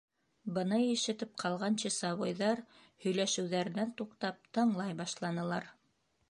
Быны ишетеп ҡалған часовойҙар, һөйләшеүҙәренән туҡтап, тыңлай башланылар.